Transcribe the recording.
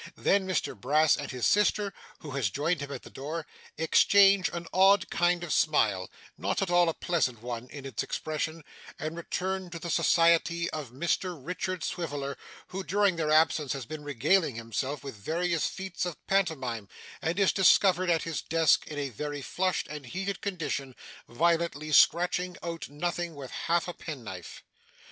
Then, Mr Brass and his sister (who has joined him at the door) exchange an odd kind of smile not at all a pleasant one in its expression and return to the society of Mr Richard Swiveller, who, during their absence, has been regaling himself with various feats of pantomime, and is discovered at his desk, in a very flushed and heated condition, violently scratching out nothing with half a penknife.